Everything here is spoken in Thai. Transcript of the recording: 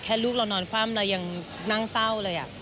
ลูกเรานอนคว่ำเรายังนั่งเศร้าเลย